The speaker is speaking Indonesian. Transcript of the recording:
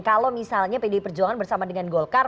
kalau misalnya pdi perjuangan bersama dengan golkar